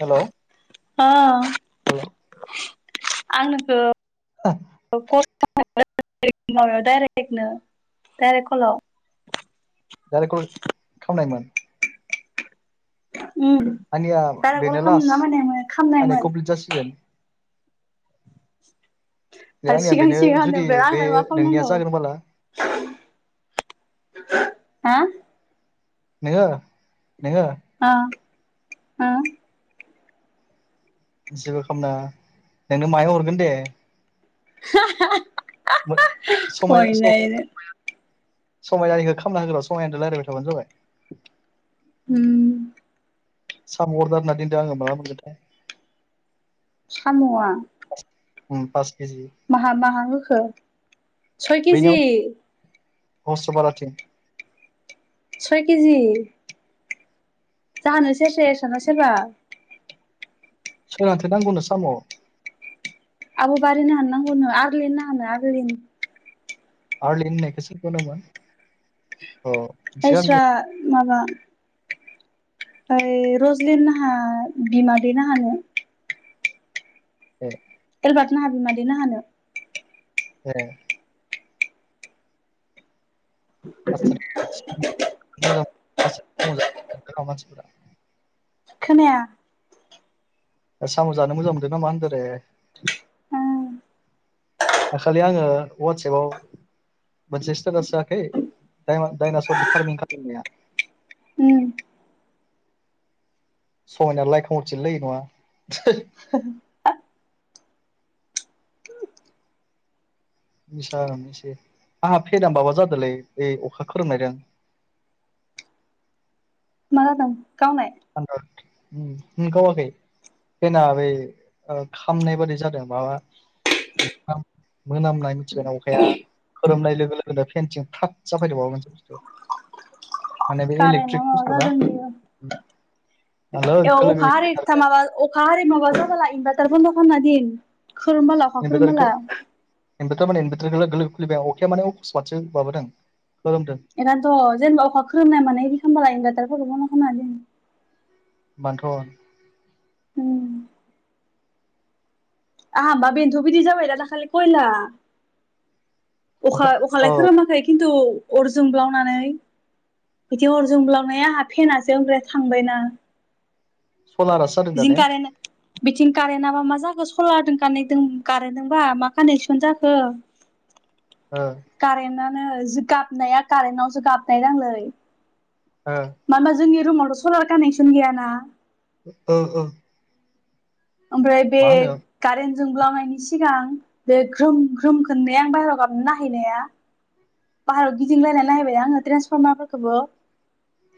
Hello अह hello आं नोंखौ [unintelligible] नारिखौल थावनायमोन। उम आंनिया दारागल बेनो खालाम लास्ट नामोन आंनिया खामनायमोन कमप्लिट जासिगोन। बे आंनिया सिगां बेनो सिगां जुदि होनो बे आंलाय मा नोंनिया जागोनबोला खालामनांगौ। हा नोंङो नोंङो अ ओ जेबो खालामनांङा दे नों माहायाव हरगोन दे। [unintelligible] हयनायनो [unintelligible] समायना खालामना होग्रा समायानो रायलायबाय थाबानो जाबाय। उम साम' अरदार होनना दोनदों आंङो माला मोनगोनथाय साम' आ उम पास केजि माहा माहा होखो सय केजि बैनियाव [inaudible] सय केजि जोनो सेरसे ना सोरैबा सोरनोथो नांगौनो साम आब' बारिनो हाननांगौ नोंङो आरलि ना हानो आरलि आरलि होननायखौसो सेखो नामा अ नोंसोर खायस्रा गामिनिया माबा ओय रजलिन लाहा बिमादै लाहानो। ओ एबार्ट ना बिमादै लाहानो हे [unintelligible] खोनाया साम' जानो मोजां मोनददों नामा होन्दोंदे उम दाखालि आंङो वाटसपाव मोनसे स्टेटास जायाखै दडाइनासरनि फार्मिं खालामनाया [unintelligible] [unintelligible] [unintelligible] मा जादों गावनाय [unintelligible] फेना बै खामनाय बादि जादों माबा मोनामनाय मिथिबायना अखाया खोरोमनाय लोगो लोगोनो पेन्टिं थाब जाफैदों माबा मोनसे बुस्थु माने बे कारेन्टआ इलेक्ट्रिक बुस्थु माबा ना जादों बियो आं ए लोगो अखा आरोै लोगो माबा अखा आरोै माबा जाबला इनभार्टार बन्द' खालामना दिन खोरोमबोला अखा [unintelligible] खोरोमबोला इनभारटार माने इनभारटारखौैबाय अखाया माने सुवादसो माबादों खदों बेखायनोथ' जेनबा अखा ख्रोमनाय माने बिदि खालामबालाय इनभारटारफोरखौबो मा खालामनो बांथ' उम आ हबा बेधु बिदि जाबाय दा दा खाालि खयला अखा अखायालाय खोरोमाखै खिन्थु अर जुंब्लावनानै बिदि अर जब्लावनाया आंहा फेनासै ओमफ्राय थांबायना सलारासो जादों [unintelligible] दा ने बिथिं कारेन्ताबा मा जाखो सलारजों कानेक्दों कारेन्टजोंबा मा कानेकसन जाखो औ कारेन्टनो गाबनाया कारेन्टावसो गाबनाय नांलै ह मानो होनबा जोंनि रुमावथ' सलार कानेकसन गैयाना ओ ओ ओमफ्राय बे मा होनो कारेेनट जोंब्लांवनायनि सिगां बे ग्रोम ग्रोम खोनै आं बाहहेरायाव गाबनो नायहैनाया बाइह्रायाव गिदिंलायनानै नायैबाय आङो ट्रेन्सफर्मार फोरफोरखौबो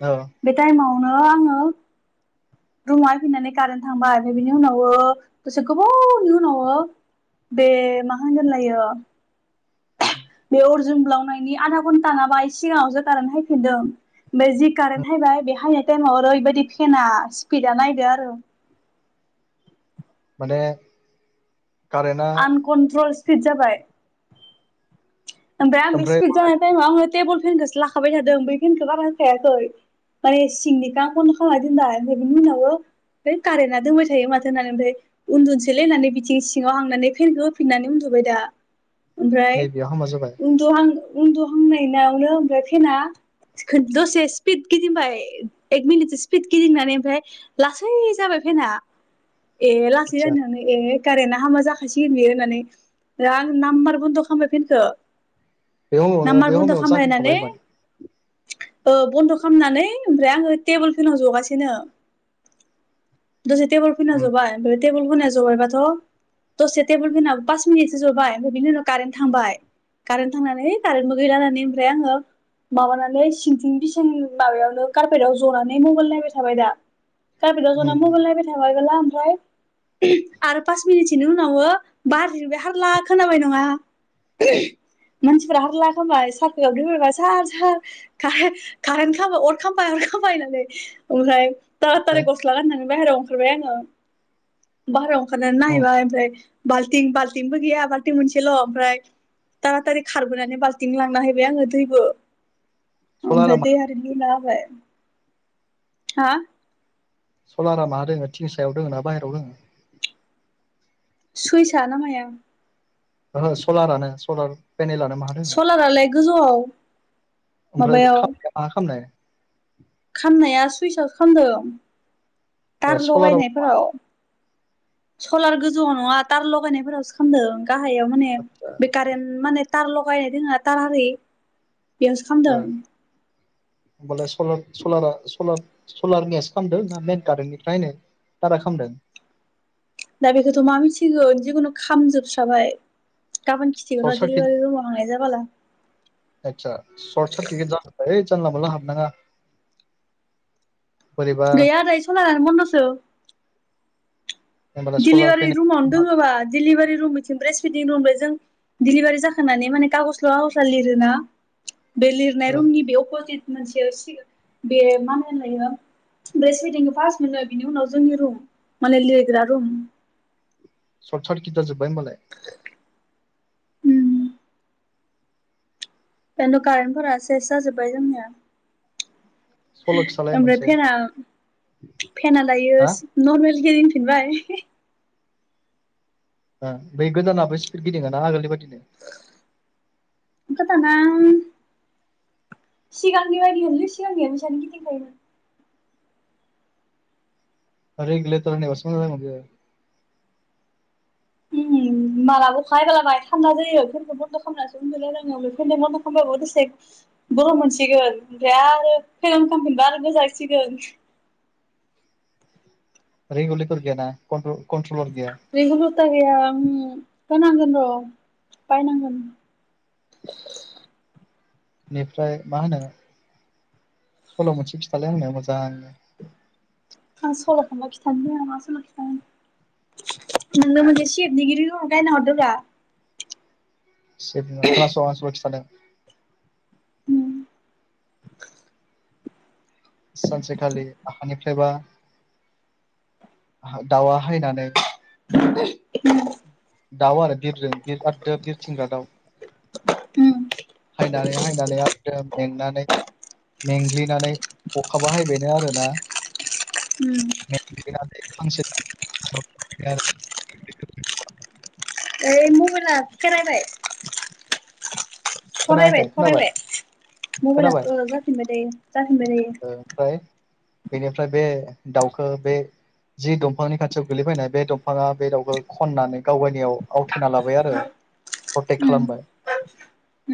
औ बे टाइमावनो आङो रुमावहाय फैनानै कारेन्ट थांबाय आरो बिनि उनाव दसे गोबावनि उनाव बे मा होनगोनलायो [inaudible] बे अर जुमब्लावनायनि आधा घन्टा नाबाय सिगाङावसो कारेन्ट फैफिनदों। ओमफ्राय जि कारेन्ट हायबाय बे हायनाय टाइमाव ओरैबायदि फेेनना स्पिडा नायदो आरो। माने कारेन्टआ कन्ट्रल स्पिड जाबाय। ओमफ्राय आं बे स्पिड जानाय टाइमाव आङो टेबोल फेनखौसो लाखाबाय थादों बै फेनखौ बारा होखायाखै। आरो सिनिकाखौनो खाम [unintelligible] कारेन्टना दोंबाय थायो माथो होननानै ओमफ्राय उन्दुसैलै होननानै बिथिं सिङाव हांनानै फनखौ होफिननानै उन्दुबाय दा ओमफ्राय बे हामा जादों उन्दहां उन्दुहांनायावनो ओमफ्राय फेना दसे स्पिद गिदिंबाय एक मिनिटसो स्पिद गिदिंनानै ओमफ्राय लासै जाबाय फेना ए लासै आदसा जानो ए कारेन्टआ हामा जाखासै होन बि होननानै दा आं नाम्बार बन्द' खालामबाय फेनखौ बे समावनो नामार नामार बे बन्द' समायाव खालामामबाया ने जाखांखाबायमोन ओ बन्द' खालामनानै ओमफ्राय आङो टेबोल फेनाव जगासिनो। दसे टेबोल फैना उम जोबबाय फ्राय टेबोल फोननाय जोबबायबाथ' दसे टेबोल फेननो पास मिनिटसो जबाय ओमफ्राय बिनि उनाव कारेन्ट थांबाय। कारेन्ट थांनानै कारेन्टबो गैलानानै ओमफ्राय आङो माबानानै सिंथिं बिसिं माबायावनो कारपेटआव जनानै मबाइल नायबाय थाबाय दा कारफेदाव उम जना मबायल नायबाय थाबायब्ला ओमफ्राय ओहम आरो पास मिनिटसोनि उनावबो बारिरबाय हारला खोनाबाय नङा। ओहम मानसिफोरा्रा हारला खाय साख्रियाव दायबा सार सार ार खारेन्ट खालामबाय अर खामबाय अर खामबाय होननानै ओमफ्राय ओमफ्राय थाराथारिै गस्लागोन होननानै बाहेरायाव ओंखारबाय आङो बाहेरायाव ओंखारनानै उम नायैबाय ओमफ्राय बाल्थिं बाल्थिंबो गैया बाल्थिं मोनसेल' ओमफ्राय थाराथारि खारबोनानै बाल्थिं लांना हैैबाय आङो दैबो सलारा ओमफ्राय मा दैबो दै लुना होबाय हा? सलारा मा दङ िंसायाव दङ ना बायेरायाव दोङो? सुइसआ ना माया? ओहो सलारानो सलार पेनेलानो मा होन सलारालाय गोजौआव। ओमफ्राया माबायाव ख खालामनाय खामनाया सुइसाव खालामामदों ए दार सलाराव लगायनायफोराव। सलार गोजौआव नङा थार लगायनायफोरावसो खालामदों गाहायाव माने आदसा बे कारेन्ट माने टार लगायनाय दोङो थार आरर बेयावसो ओ खालामदों। होमबालाय सलार-सलारा सल-सलार मेस खालामदों ना मेन कारेन्टनिफ्रायनो दारा ख खालामदों। दा बेखौथ' मा मिथिगोन जिखुनु खामजोबस्राबाय गाबोन खिथिगोन सर्ट र सार्किट दिलिबारि रुमाव थांनाय जाबालला। आता सर्टसार ज जालला मला हाब नाङा बोरैबा गैया दायो सलारआनो बनदसो होमबालाय सलार दिडलिभारि रुमावनो पेनेल दङोबा दिडलिभारि रुमनिथिं ब्रेस फिदिं रुमलाय जों दिडलिभारि जाखानानै माने कागज ल' आजा लिरोना बे लिरनाय रुमनि बे अपजित मोनसे सिगां बे मा होन होनलायो बे फास मोनो बिनि उनाव जोंनि रुम माने लिरग्रा रुम। सर्ट सर्ट गिद जोबबाय होमबालाय बेनोथ' खिन्थु कारेन्टफोरा सेस जाजोबबाय जोंनिया। सल' खिथालाय ओमफ्राय मोनसे फेना फेना दायो हा नर्मेल गिदिंफिनबाय हे हे हे बै गोदानाबो स्पिड गिदिङ ना आगोलनि बायदिनो? आंथ' दाना सिगांनि बायदि होनलै सिगांनिया बिसानो गिदिंखायोमोन। आरो इगलेतार नि‌आवसो मोजां जागौमोन बेयो। मालाबो खायबोला बाय थान्ना जायो बेफोरखौ बन्द' खालामनासो उन्दुनो रोङो बेफोरनो बन्द' होबाबो दसे बर' मोनसिगोन ओमफ्राय आरो फेन खालामफिनबा आरो गोजांसिगोन रिगलेतर गेदा कन्ट्रलार गैया। रेंगु लथा गैया आं होनांगोन र' बायनांगोन। [inaudible] बेनिफ्राय मा होनो सल' मोनसे फिथालाय होनो मोजांनो। आं सल' थांबा खिथानो आ मा सल' खिथानो नोंनो मोनसे सिटनिगिरिखौ गायना हरदोंा सेफ नंङा खोनासं आं सल' खिथानो। उम सानसेखालि आखानिफ्रायबा दाउआ हायनानै दाउ आरो बिरजों बिर आरोदो बिरथिंग्रा दाउ उम हायनानै हायनानै आरो मेंनानै मेंग्लिनानै अखा बाहायबायनो आरोना उम फांसे मबायल खोनाबाय सरायबाय खोनायाखै खोनाबाय सरायबाय मबाइलाथ' खोनाबाय जाफिनबाय दायो जाफिनबाय दायो। ओ ओमफ्राय बेनिफ्राय बे दाउखौ बे जि दंफांनि खाथियाव गोलैफैनाय बे दंफाङा बे दाउखौ खननानै गाव गायनियाव आवथेना लाबाय आरो। प्रटेक्ट उम खालामबाय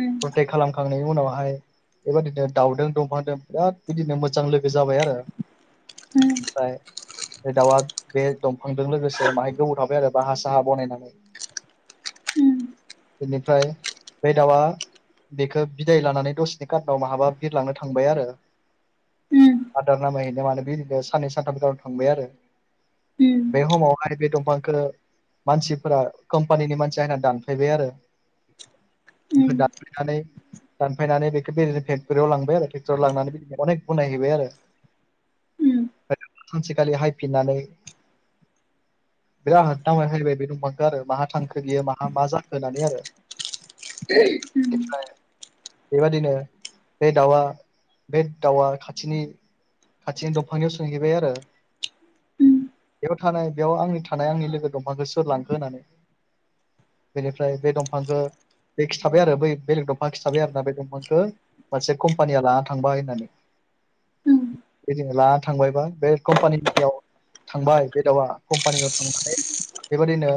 उम प्रटेक्ट खालामखांनायनि उनावहाय बेबायदिनो दाउदों दंफांजों बिराद बिदिनो मोजां लोगो जाबाय आरो। उम ओमफ्राय बे दाउआ बे दंफांजों लोगोसे बाहाय गोबाव थाबाय आरो बाहा साहा बनायनानै उम बेनिफ्राय बे दाउआ बेखौ बिदाय लानानै दसेनि कार्नाव माहाबा बिरलांनो थांबाय आरो उम आदार नामायहैनो माने बेनो साननै सानथाम बिथराव थांबाय आरो उम बे समाव आरो बे दंफांखौ मानसिफोरा कम्पानिनि मानसिया होनना दानफायबाय आरो अनो उम दानफ्लेनानै दानफायनानै बेखौ बिदिनो फेक्ट'रियाव लांबाय आरो फेक्टरियाव लांनानै बिदिनो अनेक गनायहैबाय हम्म आरो सानसेखालि हायफिननानै बिराददां हायबाय बे दंफांखौ आरो माहा थांखो बियो माहा मा जाखो होननानै आरो बे हम्म बेबादिनो बे दाउआ बे दाउआ खाथिनि खाथिनि दंफांनियाव सोंहैबाय आरो हम्म बेयाव थानाय बेयाव आंनि थानाय आंनि लोगो दंफांखौ सोर लांखो होननानै बेनिफ्राय बे दंफांखौ बे खिन्थाबाय आरो बै बेलेग दंफां खिन्थाबाय आरोना बे दंफांखौ मोनसे कम्पानिया लाना थांबाय होननानै बिदिनो लाना थांबायबा बे कम्पानियाव थांबाय बे दाउआ कम्पानियाव थांनानै बेबायदिनो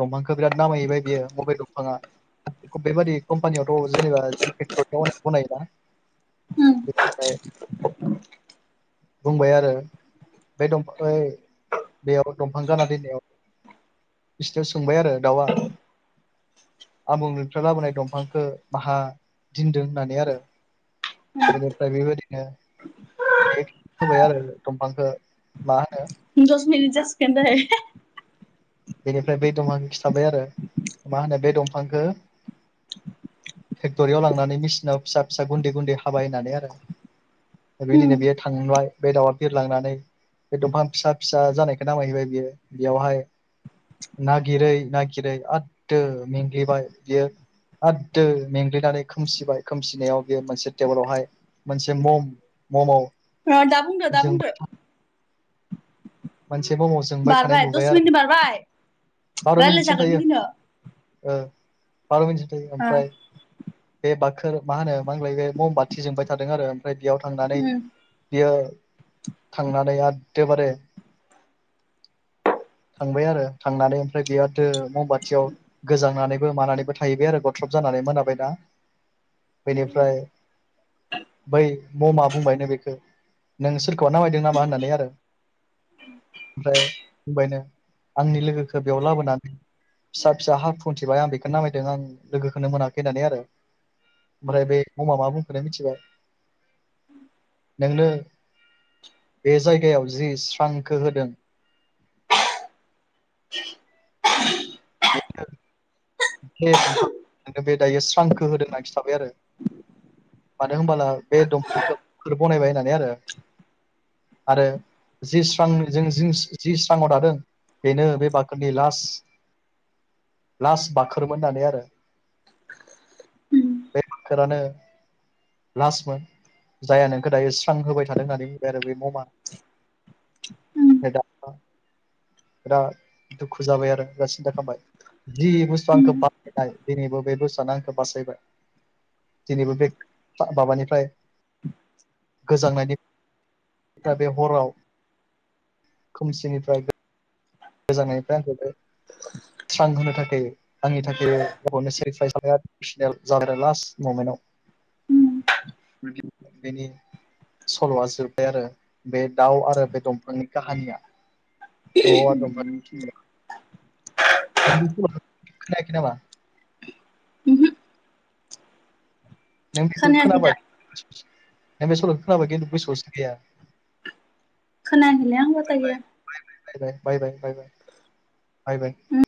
दंफांखौ बिराद नामायहैबाय बियो बबे दंफां बिफाङा बेबादि [unintelligible] कम्पानियावथ' जेनेबा जि फेक्टरिने [unintelligible] गनायोना बि हम्म [unintelligible] बुंबाय आरो बे [unintelligible] बेयाव दंफां गाना दोननायाव बिस्थाययाव सोंबाय आरो दाउआ आबुंनिफ्राय लाबोनाय दंफांखौ बाहा दन्दों होननानै आरो बेनिफ्राय बे बादिनो होबाय आरो दंफांखौ मा होनो दस मिनिट जासिगोनदै बेनिफ्राय बै दंफांखौ खिथाबाय आरो मा होनो बे दंफांखौ फेक्ट'रियाव लांनानै मेसिनाव फिसा फिसा गुन्दै गुन्दै हाबाय होननानै आरो बिबायदिनो बेयो थांबाय बे दाउआ बिरलांनानै बे दंफां फिसा फिसा जानायखौ नामायहैबाय बियो बेयावहाय नागिरै नागिरै आद मेंलि बा बियो आरोदो मेंग्लिनानै खोमसिबाय खोमसिनायाव बेयो मोनसे टेबोलावहाय मोनसे मम मम' दा बुंदो दा बुंदो मोनसे बमाव जोंबाय थानाय बारबाय नुबाय दस आरो [unintelligible] मिनिट बारबाय बार' मिनिटसिम रायलायजागोन थायो। बिदिनो [unintelligible] दैै ओमफ्राय बे बाखोर मा होनो मा होनलाय बे ममबाथि जोंबाय थादों आरो ओमफ्राय बेयाव थांनानै उम बियो थांनानै एदेबारे थांबाय आरो थांनानै ओमफ्राय बेयाव दो मम बाथियाव गोजांनानैबो मानानैबो थाहैबाय आरो गथ्रब जानानै मोनाबाय दा बेनिफ्राय बै ममा बुंबायनो बेखौ नों सोरखौबा नामायदों नामा होननानै आरो ओमफ्राय बुंबायनो आंनि लोगोखौ बेयाव लाबोनानै फिसा फिसा हा खुन्थिबाय आं बेखो नामायदों आं लोगोखोनो मोनाखै होननानै आरो ओमफ्राय बे ममा मा बुंखोननो मिथिबाय नोंनो बे जायगायाव जि स्रांखो होदों। [inaudible] बेनो [unintelligible] दंफां बे दायो स्रांखो होदों नागिर थाबाय आरो मानो होनबला बे दंफल बनायबाय होननानै आरो आरो जि स्रां जों जि स्राङाव दादों बेनो बे बाखोरनि लास्ट लास्ट बाखोरोन होननानै आरो उम बे बाखोरानो लास्टमोन जायहा नोंखो दायो स्रां होबाय थादों होननानै बुंबाय आरो बे ममा उम फ्राय दा बिराद दुखु जाबाय आरो [unintelligible] जि बुस्थु आंखौ उम बासायनाय दिनैबो बे बुस्थुआनो आंखौ बासायबाय दिनैबो बे [unintelligible] माबानिफ्राय गोजांनायनि बे हराव खोमसिनिफ्राय गोजांनायनिफ्राय आंखौ स्रां होनो थाखाय आंनि थाखाय गावबावनो सेक्रिफाइस लाया एसनेल ज [unintelligible] [inaudible] जादों लास्ट ममेन्टाव उम [unintelligible] नि सल'आ जोब्बाय आरो बे दाउ आरो बे दंफांनि काहानिया [unintelligible] [unintelligible] खोनायाखै नामा ओमहो नों बेखौ खोनायाखै खोनाबा दा नों बे सल'खौ खोनाबा खिन्थु [unintelligible] गोसोआवसो गैया खोनल [unintelligible] बा गैया बाय बाय बाय बाय बाय